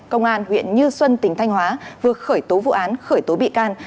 công an huyện như xuân tỉnh thanh hóa vừa khởi tố vụ án khởi tố bị can